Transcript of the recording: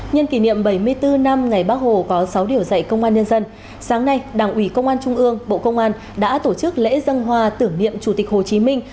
nhân kỷ niệm bảy mươi bốn năm ngày bác hồ có sáu điều dạy công an nhân dân sáng nay đảng ủy công an trung ương bộ công an đã tổ chức lễ dân hoa tưởng niệm chủ tịch hồ chí minh